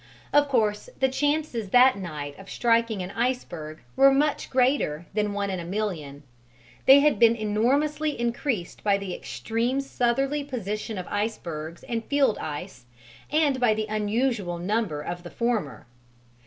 Of course, the chances that night of striking an iceberg were much greater than one in a million: they had been enormously increased by the extreme southerly position of icebergs and field ice and by the unusual number of the former.